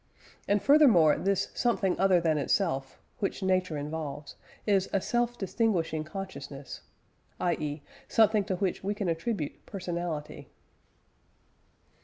And, furthermore, this "something other than itself," which Nature involves, is "a self distinguishing consciousness"; i.e. something to which we can attribute personality.